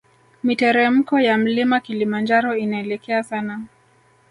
Miteremko ya mlima kilimanjaro inaelekea sana